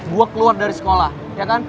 gue keluar dari sekolah ya kan